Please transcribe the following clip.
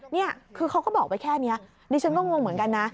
นี่คือเขาก็บอกไว้แค่นี้ดิฉันก็งงเหมือนกันนะ